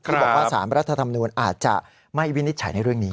ที่บอกว่าสารรัฐธรรมนูญอาจจะไม่วินิจฉัยในเรื่องนี้